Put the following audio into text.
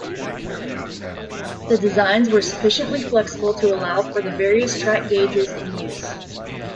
The designs were sufficiently flexible to allow for the various track gauges in use.